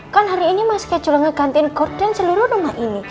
kan hari ini mah schedule ngegantiin gorden seluruh rumah ini